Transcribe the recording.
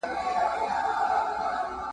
په نارو به یې خبر سمه او غر سو ..